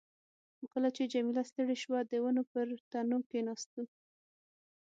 خو کله چې جميله ستړې شوه، د ونو پر تنو کښېناستو.